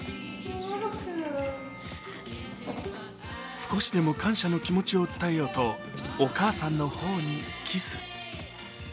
少しでも感謝の気持ちを伝えようと、お母さんのほほにキス。